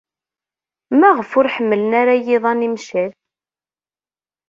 Maɣef ur ḥemmlen ara yiḍan imcac?